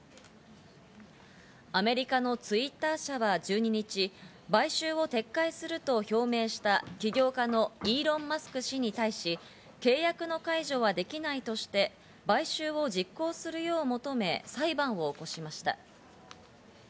アメリカのＴｗｉｔｔｅｒ社は１２日、買収を撤回すると表明した起業家のイーロン・マスク氏に対し、契約の解除はできないとして買収を実行するよう求め、裁判を起こしました。